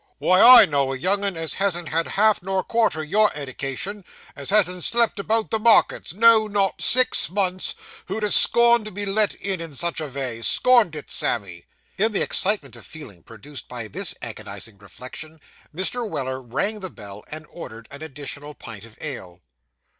why, I know a young 'un as hasn't had half nor quarter your eddication as hasn't slept about the markets, no, not six months who'd ha' scorned to be let in, in such a vay; scorned it, Sammy.' In the excitement of feeling produced by this agonising reflection, Mr. Weller rang the bell, and ordered an additional pint of ale.